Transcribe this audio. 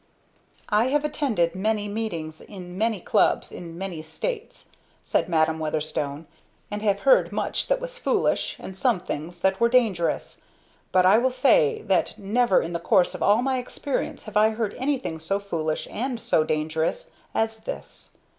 "I have attended many meetings, in many clubs, in many states," said Madam Weatherstone, "and have heard much that was foolish, and some things that were dangerous. But I will say that never in the course of all my experience have I heard anything so foolish and so dangerous, as this.